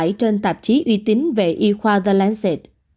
nghiên cứu được đăng tải trên tạp chí uy tín về y khoa the lancet